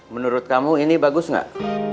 menurut kamu ini bagus nggak